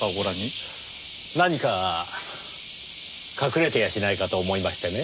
何か隠れてやしないかと思いましてね。